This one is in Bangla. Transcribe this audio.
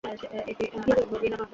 স্থির হয়ে থাকো!